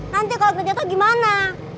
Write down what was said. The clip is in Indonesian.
nanti kalau kena jatuh gimana